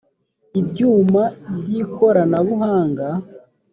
ibyuma by’ ikoranabuhanga